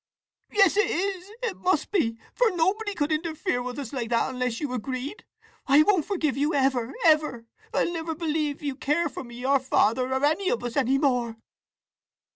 "Yes it is—it must be! For nobody would interfere with us, like that, unless you agreed! I won't forgive you, ever, ever! I'll never believe you care for me, or Father, or any of us any more!"